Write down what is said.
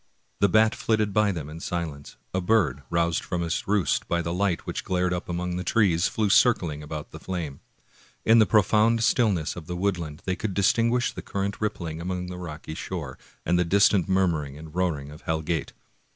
The bat flitted by them in silence; a bird, roused from its roost by the light which glared up among the trees, flew circling about the flame. In the profound stillness of the woodland they could distinguish the current rippling along the rocky shore, and the distant murmuring and roaring of Hell Gate.